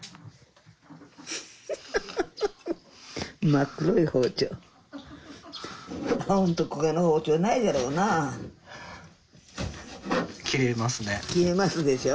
真っ黒い包丁ホントこがな包丁ないじゃろうな切れますね切れますでしょ